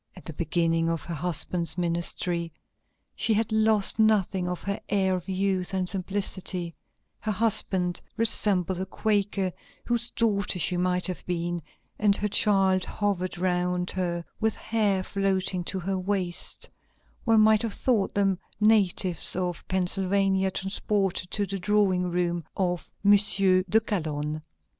At the beginning of her husband's ministry she had lost nothing of her air of youth and simplicity; her husband resembled a Quaker whose daughter she might have been, and her child hovered round her with hair floating to her waist; one might have thought them natives of Pennsylvania transported to the drawing room of M. de Calonne."